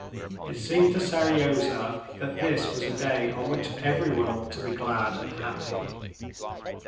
It seemed to Seryozha that this was a day on which everyone ought to be glad and happy.